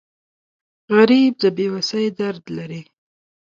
غریب د بې وسۍ درد لري